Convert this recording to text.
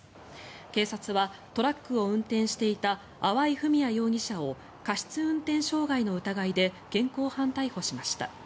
警察はトラックを運転していた粟井文哉容疑者を過失運転傷害の疑いで現行犯逮捕しました。